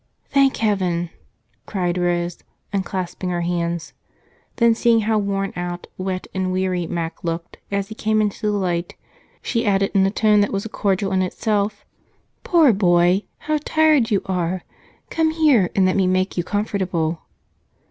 "Thank heaven!" cried Rose, unclasping her hands. Then seeing how worn out, wet, and weary Mac looked as he came into the light, she added in a tone that was a cordial in itself, "Poor boy, how tired you are! Come here, and let me make you comfortable."